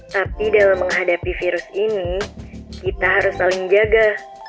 tapi dalam menghadapi virus ini kita harus saling jaga